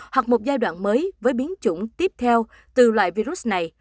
hoặc một giai đoạn mới với biến chủng tiếp theo từ loại virus này